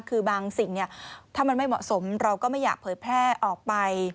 คือบางสิ่งถ้ามันไม่เหมาะสมเราก็ไม่อยากเผยแพร่ออกไป